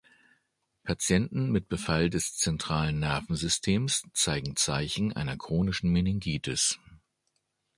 Patienten mit Befall des zentralen Nervensystems zeigen Zeichen einer chronischen Meningitis.